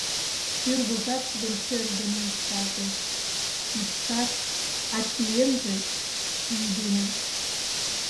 Тӱрвыжат тудын шӧр дене ӱпшалтеш, ӱпшат, а чиемже — ӱй дене.